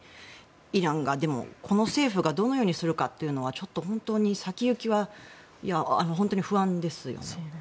イランが、この政府がどのようにするかというのはちょっと先行きは本当に不安ですよね。